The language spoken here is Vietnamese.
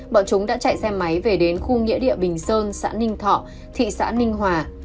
bọn chúng đã chạy xe máy về đến khu nghĩa địa bình sơn xã ninh thọ thị xã ninh hòa